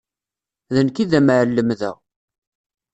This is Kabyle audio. D nekk i d amεellem da.